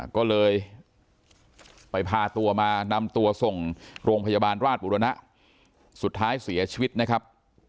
ก็เลยไปพาตัวมานำตัวส่งโรงพยาบาลราชบุรณะสุดท้ายเสียชีวิตนะครับ